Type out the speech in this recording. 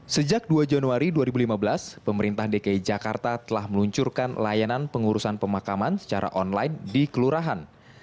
sejak dua januari dua ribu lima belas pemerintah dki jakarta telah meluncurkan layanan pengurusan pemakaman secara online di kelurahan